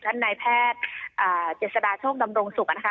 ท่านนายแพทย์เจษฎาโชคดำรงศุกร์นะคะ